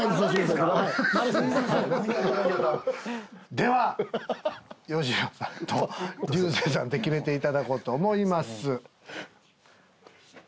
では吉野さんと竜星さんで決めていただこうと思います。